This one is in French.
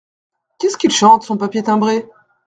Qu’est-ce qu’il chante, son papier timbré ?